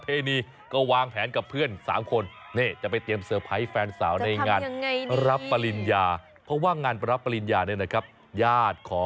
เอาละเป็นภาพที่น่ารัก